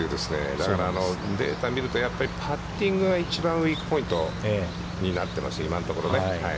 だから、データを見ると、パッティングが一番ウイークポイントになってます、今のところね。